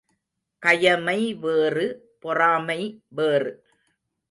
கயமை வேறு, பொறாமை வேறு.